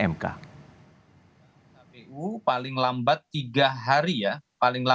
pemilihan pemilu presiden dan wakil presiden terpilih